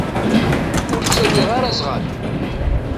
Ur ttawiɣ ara azɣal.